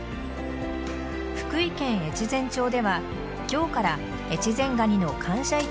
福井県越前町では今日から越前ガニの感謝